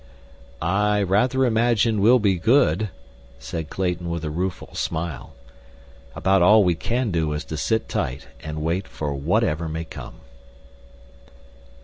"I rather imagine we'll be good," said Clayton with a rueful smile. "About all we can do is to sit tight and wait for whatever may come."